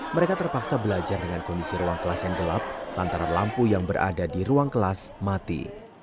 mereka terpaksa belajar dengan kondisi ruang kelas yang gelap lantaran lampu yang berada di ruang kelas mati